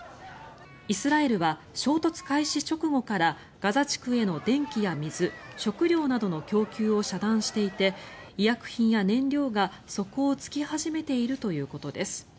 イスラエルは衝突開始直後からガザ地区への電気や水食料などの供給を遮断していて医薬品や燃料が底を突き始めているということです。